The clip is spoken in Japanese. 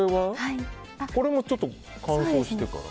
これもちょっと乾燥してから？